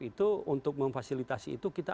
itu untuk memfasilitasi itu kita